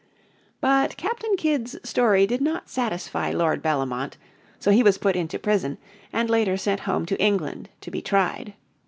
But Captain Kidd's story did not satisfy Lord Bellomont; so he was put into prison, and later sent home to England to be tried.